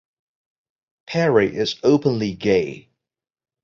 Perry is openly gay.